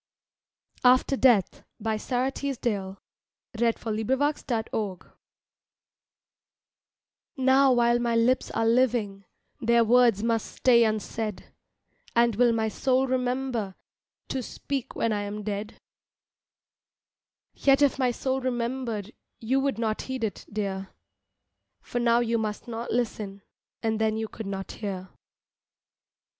AFTER DEATH Now while my lips are living Their words must stay unsaid, And will my soul remember To speak when I am dead? Yet if my soul remembered You would not heed it, dear, For now you must not listen, And then you could not hear.